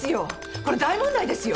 これ大問題ですよ。